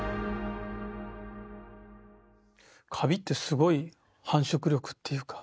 カビってすごい繁殖力っていうか。